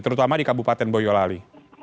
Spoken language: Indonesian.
terutama di kabupaten boyolali